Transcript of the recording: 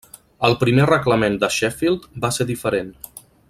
El primer Reglament de Sheffield va ser diferent.